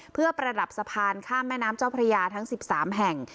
เพื่อประดับสะพานข้ามแม่น้ำเจ้าพระยาทั้ง๑๓แห่ง